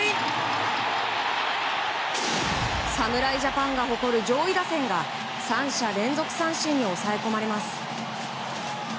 侍ジャパンが誇る上位打線が３者連続三振に抑え込まれます。